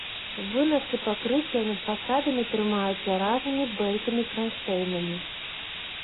Вынасы пакрыццяў над фасадамі трымаюцца разнымі бэлькамі-кранштэйнамі.